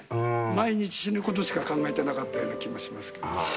毎日死ぬことしか考えてなかったような気もしますけど。